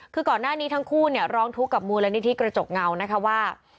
คือก่อนหน้านี้ทั้งคู่เนี่ยร้องทุกข์กับมูลนิธิกระจกเงานะคะว่า